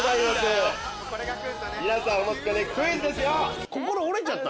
皆さんお待ちかねクイズですよ。